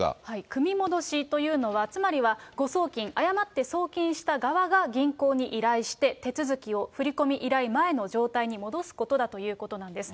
組み戻しというのは、つまりは誤送金、誤って送金した側が銀行に依頼して、手続きを振り込み依頼前の状態に戻すことだということなんです。